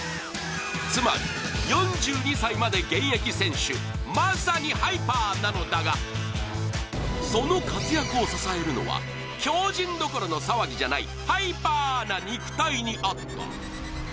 つまり４２歳まで現役選手、まさにハイパーなのだが、その活躍を支えるのは強じんどころの騒ぎじゃないハイパーな肉体にあった。